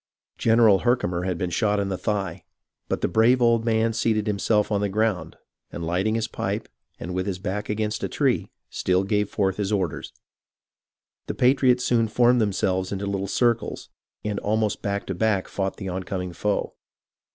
General Herkimer had been shot in the thigh, but the brave old man seated himself on the ground, and lighting his pipe, and with his back against a tree, still gave forth 196 HISTORY OF THE AMERICAN REVOLUTION his orders. The patriots soon formed themselves into Uttle circles, and almost back to back fought the oncoming foe.